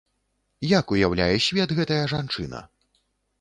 Як уяўляе свет гэтая жанчына?